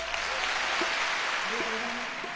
ありがとうございます。